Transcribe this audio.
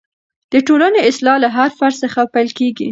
د ټولنې اصلاح له هر فرد څخه پیل کېږي.